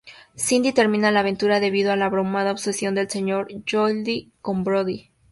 Sandy termina la aventura debido a la abrumada obsesión del señor Lloyd con Brodie.